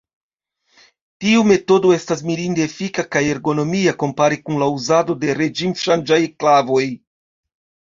Tiu metodo estas mirinde efika kaj ergonomia kompare kun la uzado de reĝimŝanĝaj klavoj.